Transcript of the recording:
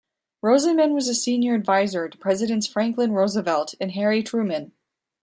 Rosenman was a senior advisor to presidents Franklin Roosevelt and Harry Truman.